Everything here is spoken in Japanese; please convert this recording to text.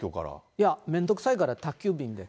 いや、めんどくさいから宅急便で。